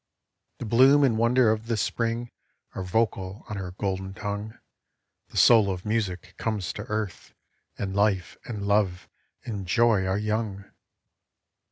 The bloom and wonder of the Spring Are vocal on her golden tongue; The soul of Music comes to earth, And life, and love, and joy are young.